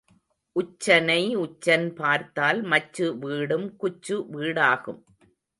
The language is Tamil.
உச்சனை உச்சன் பார்த்தால் மச்சு வீடும் குச்சு வீடாகும்.